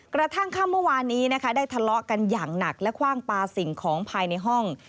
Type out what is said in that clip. กระทั่งค่ำเมื่อวานนี้นะคะได้ทะเลาะกันอย่างหนักและคว่างปลาสิ่งของภายในห้อง